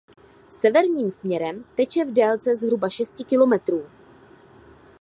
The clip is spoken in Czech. Severním směrem teče v délce zhruba šesti kilometrů.